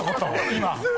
今。